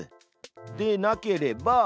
「でなければ」